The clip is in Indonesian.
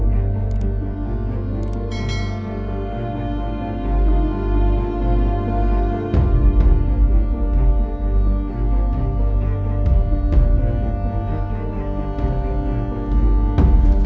semoga extra oke